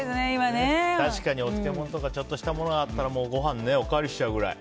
確かにお漬物とかちょっとしたものがあったらご飯、おかわりにしちゃうくらい。